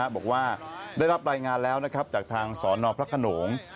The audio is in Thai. บอกว่าได้รับรายงานแล้วจากทางสนพระขนง